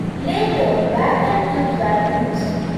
Later, vacuum tubes were used.